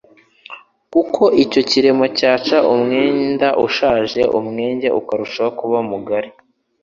kuko icyo kiremo cyaca umwenda ushaje, umwenge ukarushaho kuba mugari".